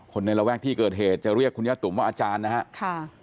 ในระแวกที่เกิดเหตุจะเรียกคุณย่าตุ๋มว่าอาจารย์นะครับ